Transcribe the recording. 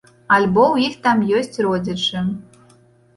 Альбо ў іх там ёсць родзічы.